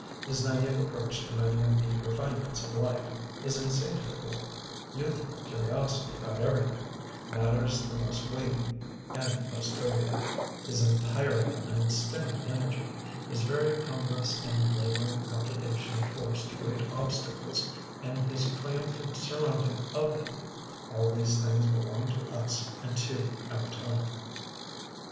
His naive approach to many of the refine ments of life; his insatiable, youthful curiosity about everything — ^matters the most weighty and the most trivial ; his untiring and unstinting energy; his very cumbrous and laboring appli cation of force to great obstacles and his triumphant surmounting of them — ^all these things belong to us and to our time.